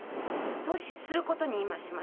そうすることに今しました。